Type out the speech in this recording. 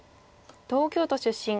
東京都出身。